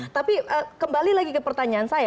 tapi kembali lagi ke pertanyaan saya